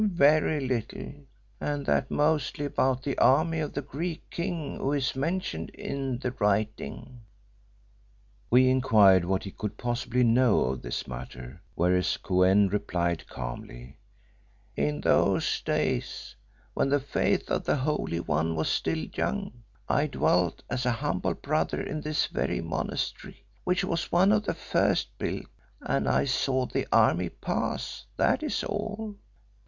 Very little, and that mostly about the army of the Greek king who is mentioned in the writing." We inquired what he could possibly know of this matter, whereon Kou en replied calmly "In those days when the faith of the Holy One was still young, I dwelt as a humble brother in this very monastery, which was one of the first built, and I saw the army pass, that is all.